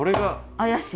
怪しい。